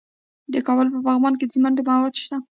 د کابل په پغمان کې د سمنټو مواد شته.